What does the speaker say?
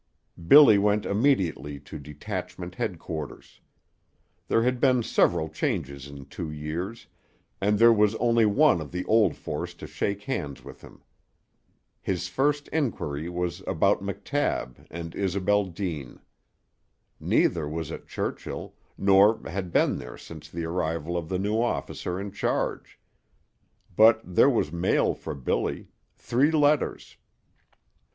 Billy went immediately to detachment headquarters. There had been several changes in two years, and there was only one of the old force to shake hands with him. His first inquiry was about McTabb and Isobel Deane. Neither was at Churchill, nor had been there since the arrival of the new officer in charge. But there was mail for Billy three letters.